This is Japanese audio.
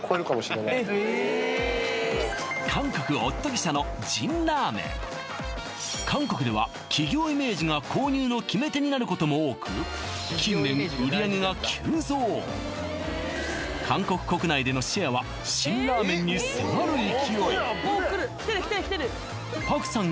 韓国オットギ社の韓国では企業イメージが購入の決め手になることも多く近年売上が急増韓国国内でのシェアは辛ラーメンに迫る勢いパクさん